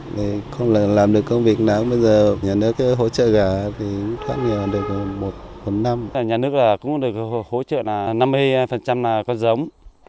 nhà nước cũng được hỗ trợ là năm mươi là con giống